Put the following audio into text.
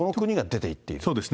そうですね。